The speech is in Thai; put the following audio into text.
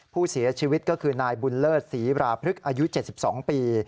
ผู้เสียชีวิตก็คือนายบุญเลิศศรีราพฤกษ์อายุ๗๒ปี